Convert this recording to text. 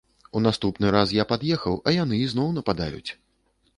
У наступны раз я пад'ехаў, а яны ізноў нападаюць.